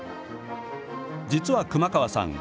実は熊川さん